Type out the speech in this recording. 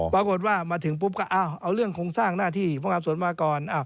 ปรากฏว่ามาถึงปุ๊บก็เอาเรื่องโครงสร้างหน้าที่พนักงานสวนมาก่อน